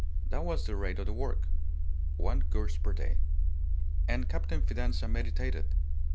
That was the rate of the work. One course per day. And Captain Fidanza meditated.